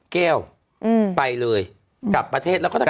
แก้วไปเลยกลับประเทศแล้วก็จะกลับ